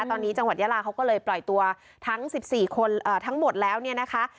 ตอนนี้จังหวัดยาลาเขาก็เลยปล่อยตัวทั้ง๑๔คนทั้งหมดแล้วเนี่ยนะคะ